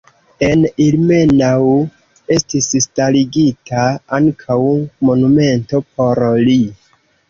En Ilmenau estis starigita ankaŭ monumento por li.